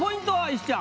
石ちゃん。